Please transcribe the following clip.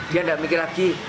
dia nggak mikir lagi